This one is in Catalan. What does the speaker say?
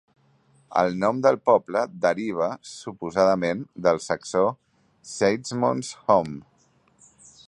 El nom del poble deriva suposadament del saxó "Seizmond's Home".